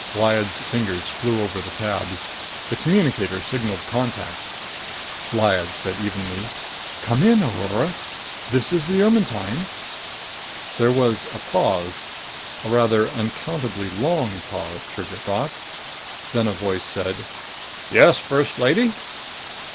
Lyad's fingers flew over the tabs. The communicator signaled contact. Lyad said evenly, "Come in, Aurora! This is the Ermetyne." There was a pause, a rather unaccountably long pause, Trigger thought. Then a voice said, "Yes, First Lady?"